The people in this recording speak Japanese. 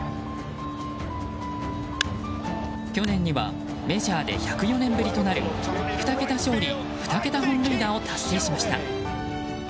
去年にはメジャーで１０４年ぶりとなる２桁勝利２桁本塁打を達成しました。